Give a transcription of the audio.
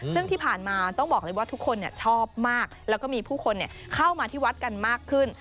ซึ่งที่ผ่านมาต้องบอกเลยว่าทุกคนชอบมากแล้วก็มีผู้คนเข้ามาที่วัดกันมากขึ้น